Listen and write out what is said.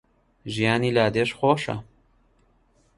ژیانی لادێش خۆشە